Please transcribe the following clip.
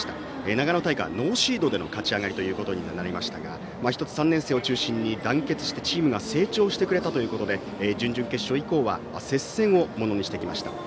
長野大会はノーシードでの勝ち上がりとなりましたが１つ、３年生を中心に団結してチームが成長してくれたということで準々決勝以降は接戦をものにしてきました。